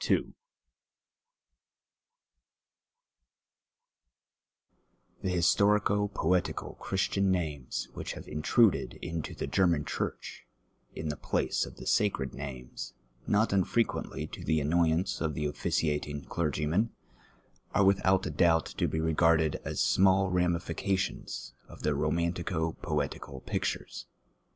401 The liistorico pootical Christian names wliich have intruded into the (iernian cliurch in the phiee of tlie saered names, not milre([nently to tlie annoyanee of the ofiieiatin;^ eler^yman, are >vithout doubt to be re^anU'd as small ramilications of the romantieo poetical pictures.